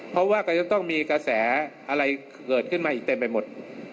เพราะว่าก็จะต้องมีกระแสอะไรเกิดขึ้นมาอีกเต็มไปหมด